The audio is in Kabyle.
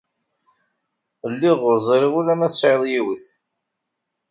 Lliɣ ur ẓriɣ ula ma tesɛiḍ yiwet.